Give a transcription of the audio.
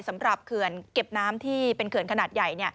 เขื่อนเก็บน้ำที่เป็นเขื่อนขนาดใหญ่